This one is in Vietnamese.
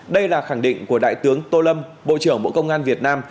đây là khẳng định của đại tướng tô lâm bộ trưởng bộ công an việt nam